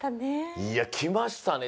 いやきましたね